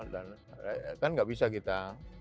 kan tidak bisa kita